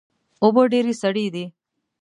اوبه ډیرې سړې دي